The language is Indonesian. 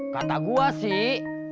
kata gue sih